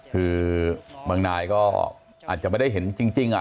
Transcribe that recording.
คือบางนายก็อาจจะไม่ได้เห็นจริง